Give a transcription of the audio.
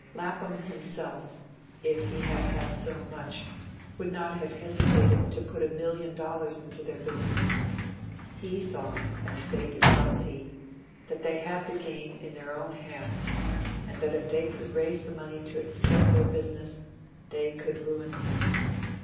Lapham himself, if he had had so much, would not have hesitated to put a million dollars into their business. He saw, as they did not see, that they had the game in their own hands, and that if they could raise the money to extend their business, they could ruin him.